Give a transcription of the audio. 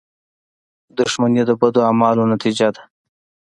• دښمني د بدو اعمالو نتیجه ده.